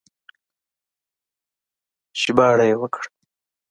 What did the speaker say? ژباړه يې وکړه